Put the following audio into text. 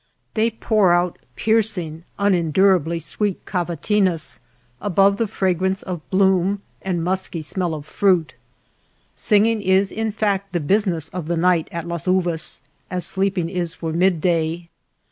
They pour out piercing, unendurably sweet cavatinas above the fragrance of bloom and musky smell of fruit. Singing is in fact the busi 266 THE LITTLE TOWN OF THE GRAPE VINES ness of the night at Las Uvas as sleeping is for midday.